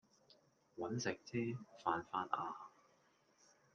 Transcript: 搵食啫，犯法呀